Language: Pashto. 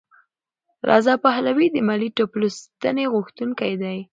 رضا پهلوي د ملي ټولپوښتنې غوښتونکی دی.